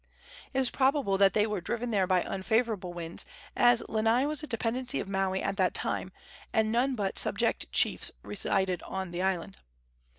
It is probable that they were driven there by unfavorable winds, as Lanai was a dependency of Maui at that time, and none but subject chiefs resided on the island.